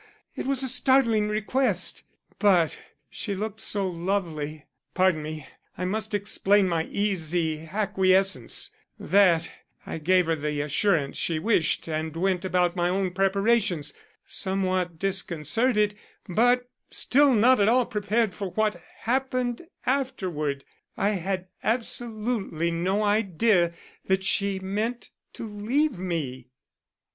It was a startling request, but she looked so lovely pardon me, I must explain my easy acquiescence that I gave her the assurance she wished and went about my own preparations, somewhat disconcerted but still not at all prepared for what happened afterward. I had absolutely no idea that she meant to leave me."